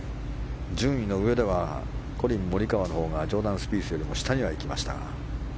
順位の上ではコリン・モリカワのほうがジョーダン・スピースよりも下にはいきましたが。